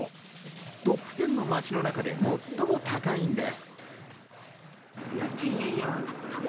トップテンの街の中で最も高いんです。